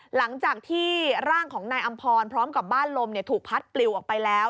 หลังจากที่ร่างของนายอำพรพร้อมกับบ้านลมถูกพัดปลิวออกไปแล้ว